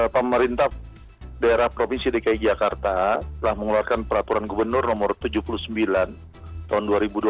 pemerintah daerah provinsi dki jakarta telah mengeluarkan peraturan gubernur no tujuh puluh sembilan tahun dua ribu dua puluh